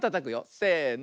せの。